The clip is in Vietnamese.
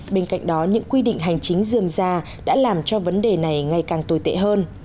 bên cạnh đó những quy định hành chính dườm ra đã làm cho vấn đề này ngày càng tồi tệ hơn